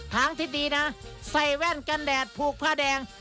ทางที่ดีนะใส่แว่นกันแดดผูกผ้าแดง